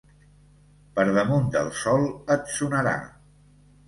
Per damunt del sol et sonarà.